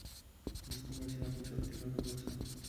বুঝতে পারছি আপনি সত্যি কথা বলছেন।